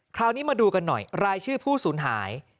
คราวนี้มาดูกันหน่อยรายชื่อผู้สูญหาย